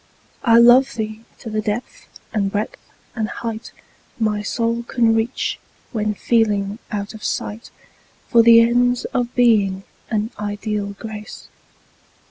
I love thee to the depth and breadth and height My soul can reach, when feeling out of sight For the ends of Being and ideal Grace.